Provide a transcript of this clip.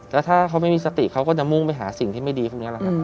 แล้วถ้าเขาไม่มีสติเขาก็จะมุ่งไปหาสิ่งที่ไม่ดีพรุ่งนี้